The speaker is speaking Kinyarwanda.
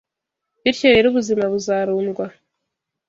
Bityo rero, ubuzima buzarundwa